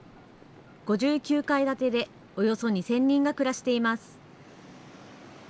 ５９階建てで、およそ２０００人が暮らしています。